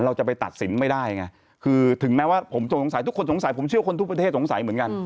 เราจะไปตัดสินไม่ได้ไงคือถึงแม้ว่าผมสงสัยทุกคนสงสัยผมเชื่อคนทุกประเทศสงสัยเหมือนกัน